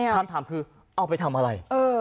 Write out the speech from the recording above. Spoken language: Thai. ปกประหวังน้ำทำคือเอาไปทำอะไร